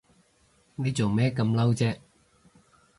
你做咩咁嬲啫？